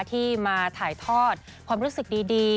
ที่มาถ่ายทอดความรู้สึกดี